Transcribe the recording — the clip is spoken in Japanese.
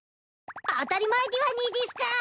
当たり前でぃはねいでぃすか！